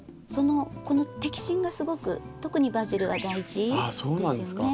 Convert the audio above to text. この摘心がすごく特にバジルは大事ですよね。